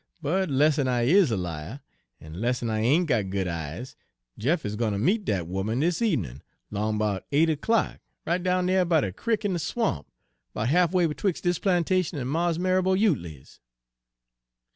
But 'less'n I is a liah, en 'less'n I ain' got good eyes, Jeff is gwine ter meet dat 'oman dis ebenin' 'long 'bout eight o'clock right down dere by de crick in de swamp 'bout half way betwix' dis plantation en Mars' Marrabo Utley's.'